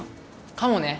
かもね